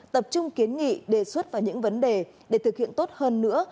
tập trung kiến nghị đề xuất vào những vấn đề để thực hiện tốt hơn nữa